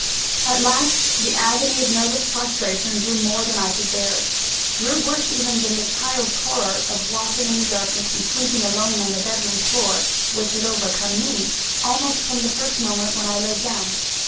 At last, the agony of nervous prostration grew more than I could bear grew worse even than the child's horror of walking in the darkness, and sleeping alone on the bed room floor, which had overcome me, almost from the first moment when I laid down.